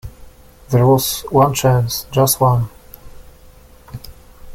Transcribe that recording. There was one chance — just one.